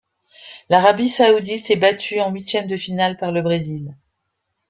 L'Arabie saoudite est battue en huitièmes de finale par le Brésil.